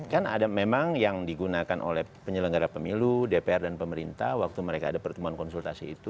kan ada memang yang digunakan oleh penyelenggara pemilu dpr dan pemerintah waktu mereka ada pertemuan konsultasi itu